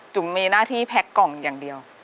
มีหน้าที่แพ็กกล่องอย่างเดียว